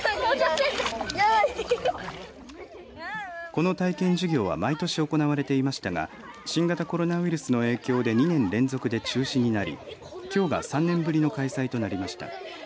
この体験授業は毎年行われていましたが新型コロナウイルスの影響で２年連続で中止になり、きょうが３年ぶりの開催となりました。